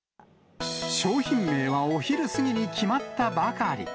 商品名はお昼過ぎに決まったばかり。